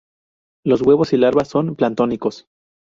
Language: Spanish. Los huevos y larvas son planctónicos.